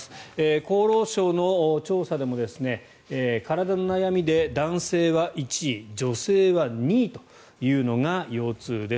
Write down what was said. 厚労省の調査でも体の悩みで男性は１位女性は２位というのが腰痛です。